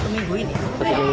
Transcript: itu sudah berapa lama mungkin